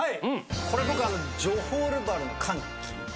これ僕「ジョホールバルの歓喜」。